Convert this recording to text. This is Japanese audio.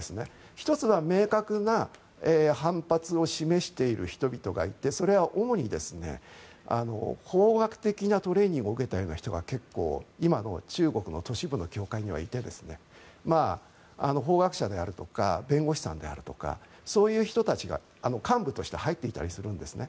１つは、明確な反発を示している人々がいてそれは主に法学的なトレーニングを受けたような人たちが結構、今の中国の都市部の教会にはいて法学者であるとか弁護士さんであるとかそういう人たちが幹部として入っていたりするんですね。